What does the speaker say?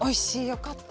よかった。